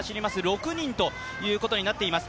６人ということになっています。